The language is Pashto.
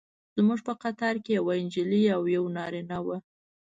زموږ په قطار کې یوه نجلۍ او یو نارینه و.